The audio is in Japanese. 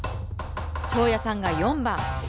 昇也さんが４番。